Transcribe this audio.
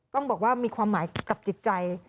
ต้องบอกว่ามีความหมายกับจิตใจ